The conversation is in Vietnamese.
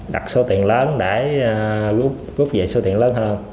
đặt số tiền lớn để rút về số tiền lớn hơn